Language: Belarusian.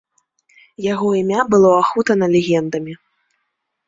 Яго імя было ахутана легендамі.